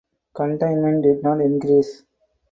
Containment did not increase.